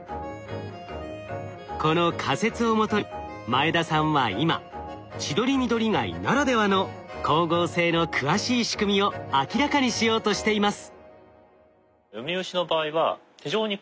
この仮説をもとに前田さんは今チドリミドリガイならではの光合成の詳しい仕組みを明らかにしようとしています。